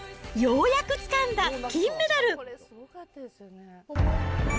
ようやくつかんだ金メダル！